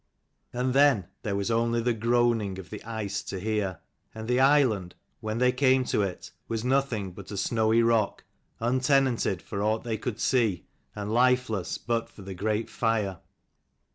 275 And then there was only the groaning of the ice to hear; and the island, when they came to it, was nothing but a snowy rock, un tenanted, for aught they could see, and lifeless, but for the great fire.